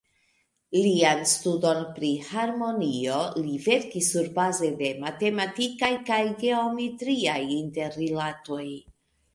Lian studon pri harmonio, li verkis surbaze de matematikaj kaj geometriaj interrilatoj.